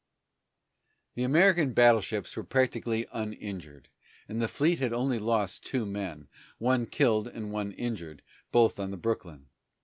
The American battleships were practically uninjured, and the fleet had lost only two men, one killed and one injured, both on the Brooklyn.